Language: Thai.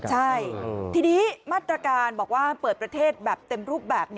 ใช่ทีนี้มาตรการบอกว่าเปิดประเทศแบบเต็มรูปแบบ